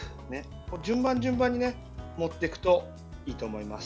順番、順番に盛っていくといいと思います。